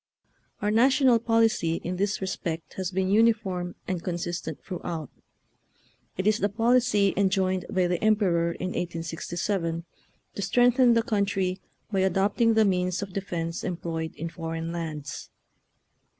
Our national policy in this re spect has been uniform and consistent throughout; it is the policy enjoined by the Emperor in 1867, to strengthen the country " by adopting the means of de fence employed in foreign lands."